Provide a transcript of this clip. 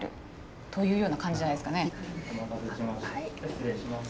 失礼します。